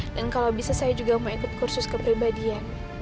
dan kalau bisa saya juga mau ikut kursus kepribadian